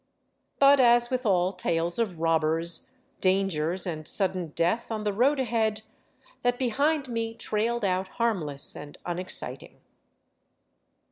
But as with all tales of robbers, dangers, and sudden death on the road ahead, that behind me trailed out harmless and unexciting.